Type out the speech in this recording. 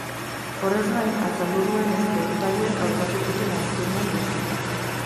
Horrez gain, azaldu duenez, boluntarioek gauzatu zuten azkenean bozketa.